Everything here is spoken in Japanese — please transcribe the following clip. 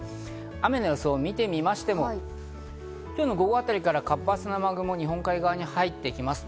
雨の予想を見てみましても、今日の午後あたりから活発な雨雲が日本海側に入ってきます。